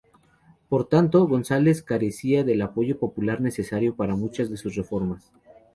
Por tanto, González carecía del apoyo popular necesario para muchas de sus reformas.